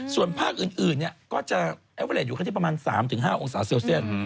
ส่วนภาคอื่นก็จะประมาณ๓๕องศาเซลเซล